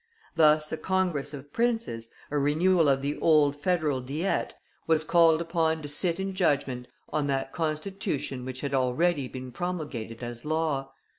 Thus a Congress of Princes, a renewal of the old Federal Diet, was called upon to sit in judgment on that Constitution which had already been promulgated as law.